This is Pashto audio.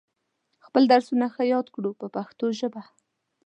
خپل درسونه ښه یاد کړو په پښتو ژبه.